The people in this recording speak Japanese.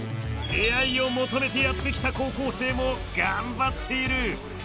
出会いを求めてやってきた高校生も頑張っている！